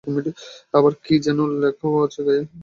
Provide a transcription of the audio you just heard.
আবার কি কি যেন লেখাও আছে গায়ে।